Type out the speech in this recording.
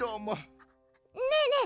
ねえねえ